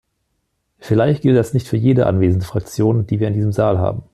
Vielleicht gilt das nicht für jede anwesende Fraktion, die wir in diesem Saal haben.